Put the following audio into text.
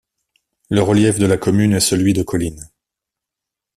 Le relief de la commune est celui de collines.